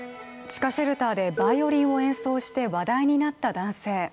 地下シェルターでバイオリンを演奏して話題になった男性。